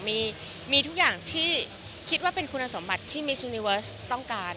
มีทุกอย่างที่คิดว่าเป็นคุณสมบัติที่มิซูนิเวิร์สต้องการ